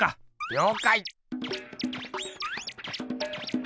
りょうかい！